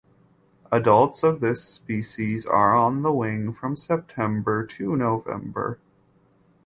Adults of this species are on the wing from September to November.